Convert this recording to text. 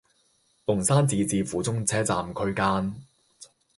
龍山寺至府中車站區間